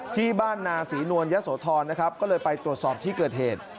ที่บ้านนาศรีนวลยะโสธรนะครับก็เลยไปตรวจสอบที่เกิดเหตุ